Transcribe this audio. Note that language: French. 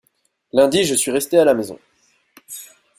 Lundi je suis resté à la maison.